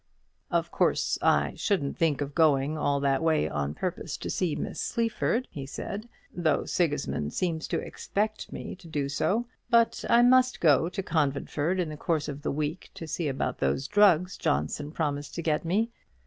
"Of course I shouldn't think of going all that way on purpose to see Miss Sleaford," he said, "though Sigismund seems to expect me to do so; but I must go to Conventford in the course of the week, to see about those drugs Johnson promised to get me.